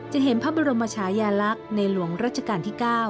เห็นพระบรมชายาลักษณ์ในหลวงรัชกาลที่๙